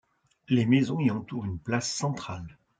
Les maisons y entourent une place centrale.